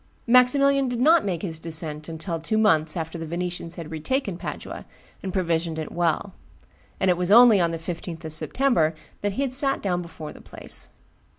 Maximilian did not make his descent until two months after that the Venetians had retaken Padua and provisioned it well; and it was only on the 15th of September that he sat down before the place.